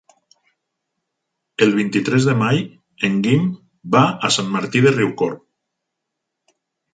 El vint-i-tres de maig en Guim va a Sant Martí de Riucorb.